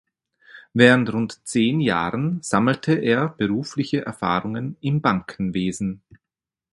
Während rund zehn Jahren sammelte er berufliche Erfahrungen im Bankenwesen.